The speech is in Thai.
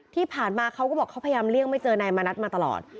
ที่ผ่านมาเขาก็บอกเขาพยายามเลี่ยงไม่เจอนายมณัฐมาตลอด